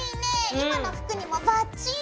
今の服にもバッチリ！